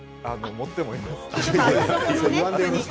盛ってもいます。